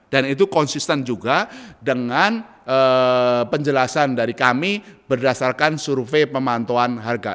itu konsisten juga dengan penjelasan dari kami berdasarkan survei pemantauan harga